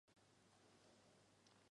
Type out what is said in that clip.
愈南公家庙的历史年代为清代。